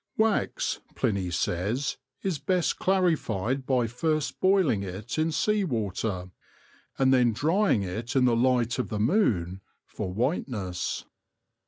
Wax, Pliny says, is best clarified by first boiling it in sea water, and then drying it in the light of the moon, for white ness.